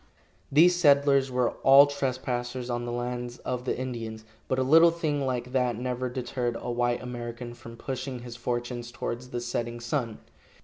These settlers were all trespassers on the lands of the Indians, but a little thing like that never deterred a white American from pushing his fortunes towards the setting sun.